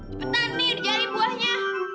cepetan nih udah jadi buahnya